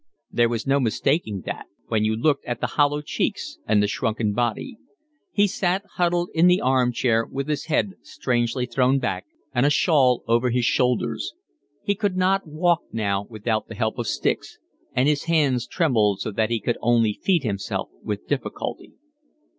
There was no mistaking that when you looked at the hollow cheeks and the shrunken body. He sat huddled in the arm chair, with his head strangely thrown back, and a shawl over his shoulders. He could not walk now without the help of sticks, and his hands trembled so that he could only feed himself with difficulty.